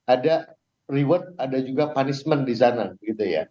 ada reward ada juga punishment di sana gitu ya